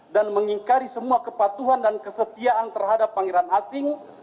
dan mengingkari semua kepatuhan dan kesetiaan terhadap pangeran asing